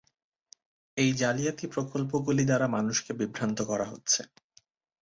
এই জালিয়াতি প্রকল্পগুলি দ্বারা মানুষকে বিভ্রান্ত করা হচ্ছে।